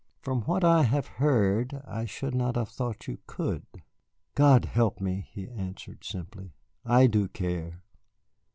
"From what I have heard, I should not have thought you could." "God help me," he answered simply, "I do care."